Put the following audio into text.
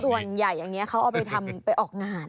อย่างนี้เขาเอาไปทำไปออกงาน